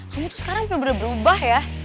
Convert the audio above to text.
kamu tuh sekarang bener bener berubah ya